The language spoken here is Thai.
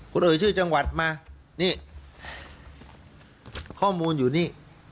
คุณเอ่ยชื่อจังหวัดมานี่ข้อมูลอยู่นี่